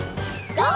ＧＯ！